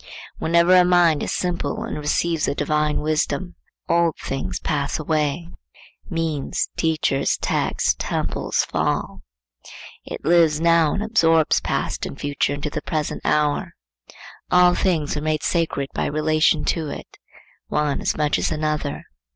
Whenever a mind is simple and receives a divine wisdom, old things pass away,—means, teachers, texts, temples fall; it lives now, and absorbs past and future into the present hour. All things are made sacred by relation to it,—one as much as another.